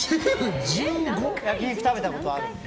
焼き肉、食べたことあるので。